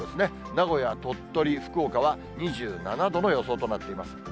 名古屋、鳥取、福岡は２７度の予想となっています。